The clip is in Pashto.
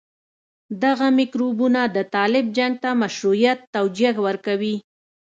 دغه میکروبونه د طالب جنګ ته د مشروعيت توجيه ورکوي.